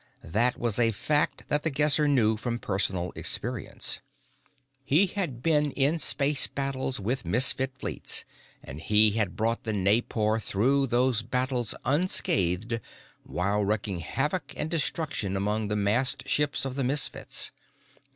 That was a fact that The Guesser knew from personal experience. He had been in space battles with Misfit fleets, and he had brought the Naipor through those battles unscathed while wreaking havoc and destruction among the massed ships of the Misfits.